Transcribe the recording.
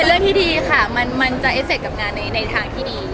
เป็นเรื่องที่ดีค่ะมันจะเอ็ดเสร็จกับงานในทางที่ดี